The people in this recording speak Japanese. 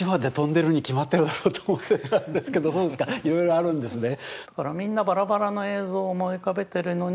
僕もいろいろあるんですね。